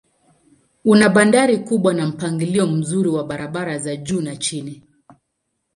Una bandari kubwa na mpangilio mzuri wa barabara za juu na chini.